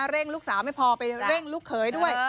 ลูกสาวไม่พอไปเร่งลูกเขยด้วย